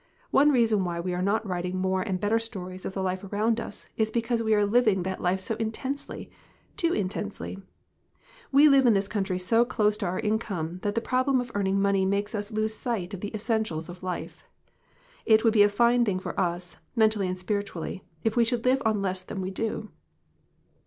One reason why we are not writing more and better stories of the life around us is because we are living that life so intensely too intensely. We live in this country so close to our income that the problem of earning money makes us lose sight of the essentials of life. It 25 LITERATURE IN THE MAKING would be a fine thing for us, mentally and spirit ually, if we should live on less than we do.